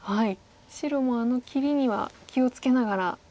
白もあの切りには気を付けながら。